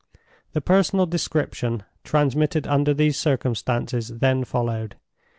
The personal description, transmitted under these circumstances, then followed.